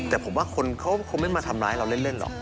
แต่ผมว่าคนเขาคงไม่มาทำร้ายเราเล่นหรอก